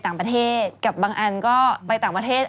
แก้แก้แก้แก้แก้แก้